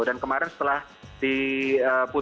dan kemarin setelah di putih